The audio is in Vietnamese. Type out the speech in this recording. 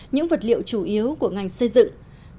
những vật liệu chủ yếu của ngành xây dựng